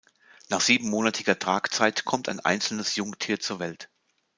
Nach siebenmonatiger Tragzeit kommt ein einzelnes Jungtier zur Welt.